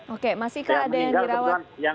oke masih keadaan dirawat